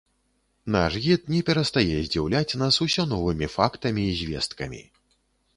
Наш гід не перастае здзіўляць нас усё новымі фактамі і звесткамі.